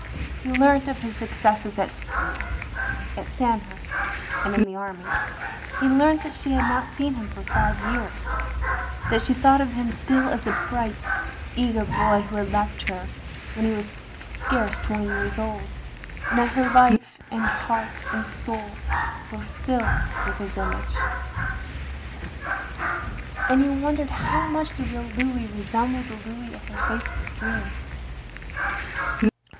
He learnt of his successes at school, at Sand hurst, and in the army ; he learnt that she had not seen him for five years — ^that she thought of him still as the bright, eager boy who had left her when he was scarce twenty years old, and that her life and heart and soul were filled with his image. ii6 THE LONELY LADY And he wondered how much the real Louis re sembled the Louis of her faithful dreams.